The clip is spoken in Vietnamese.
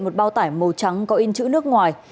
một bao tải màu trắng có in chữ nước ngoài